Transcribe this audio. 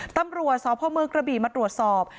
ตำรวจสพเมืองกระบี่มาตรวจสอบ